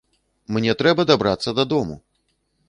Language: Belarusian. Мне трэба дабрацца дадому!